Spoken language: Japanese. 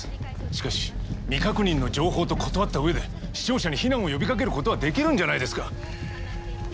しかし未確認の情報と断った上で視聴者に避難を呼びかけることはできるんじゃないですか？